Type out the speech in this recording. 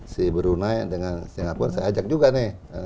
si brunei dengan singapura saya ajak juga nih